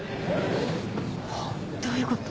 どういうこと？